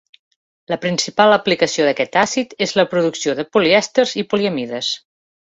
La principal aplicació d'aquest àcid és la producció de polièsters i poliamides.